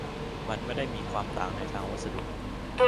มันไม่ได้มีความต่างในทางวัสดุ